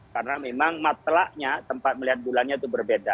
karena memang matlaknya tempat melihat bulannya itu berbeda